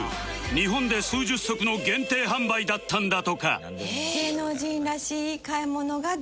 日本で数十足の限定販売だったんだとか